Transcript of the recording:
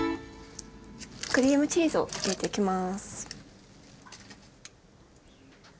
クリームチーズを入れていきます。